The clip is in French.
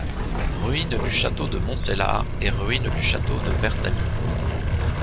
Ruines du château de Montcelard et ruines du château de Vertamy.